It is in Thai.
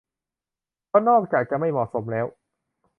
เพราะนอกจากจะไม่เหมาะสมแล้ว